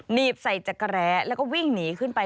หนีบใส่จักรแร้แล้วก็วิ่งหนีขึ้นไป